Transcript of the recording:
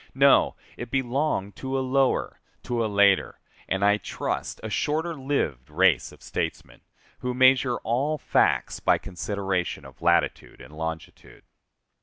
No! It belonged to a lower, to a later, and I trust a shorter lived race of statesmen, who measure all facts by considerations of latitude and longitude.